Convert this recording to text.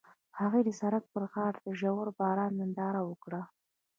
هغوی د سړک پر غاړه د ژور باران ننداره وکړه.